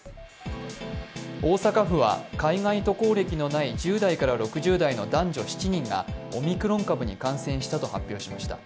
大阪府は海外渡航歴のない１０代から６０代の男女７人がオミクロン株に感染したと発表しました。